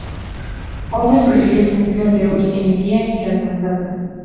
Homer prefirió a su mujer de hoy en día que al fantasma.